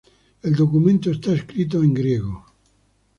El documento está escrito en griego.